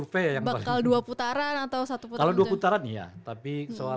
bakal dua putaran atau satu putaran kalau dua putaran itu akan berubah